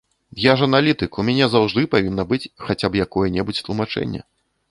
Я ж аналітык, у мяне заўжды павінна быць хаця б якое-небудзь тлумачэнне.